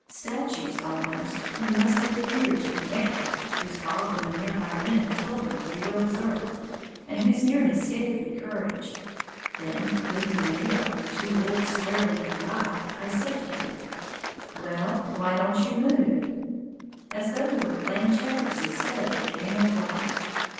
Statues, almost, we must have appeared to the "camp bird" whose call from a near by limb told me we were observed, and whose nearness gave me courage. Then, looking the nearer of the two wolves squarely in the eye, I said to him, "Well, why don't you move?" as though we were playing checkers instead of the game of life.